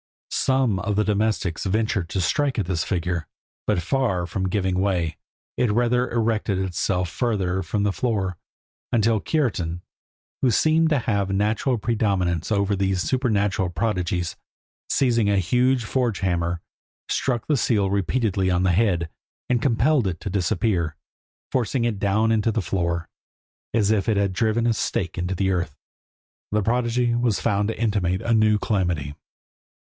Some of the domestics ventured to strike at this figure, but, far from giving way, it rather erected itself further from the floor, until Kiartan, who seemed to have a natural predominance over these supernatural prodigies, seizing a huge forge hammer, struck the seal repeatedly on the head, and compelled it to disappear, forcing it down into the floor, as if he had driven a stake into the earth. This prodigy was found to intimate a new calamity.